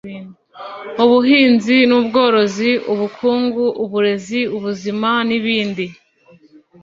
ubuhinzi n ubworozi ubukungu uburezi ubuzima n ibindi